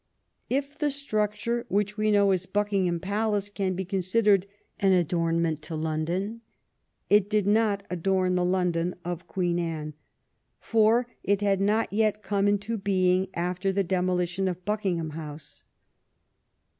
If the structure which we know as Buck ingham Palace can be considered an adornment to Ix)ndon, it did not adorn the London of Queen Anne, for it had not yet come into being after the demolition of Buckingham House.